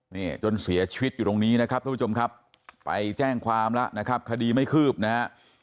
นี่จนเสียชีวิตอยู่ตรงนี้นะครับทุกผู้ชมครับไปแจ้งความแล้วนะครับคดีไม่คืบนะฮะ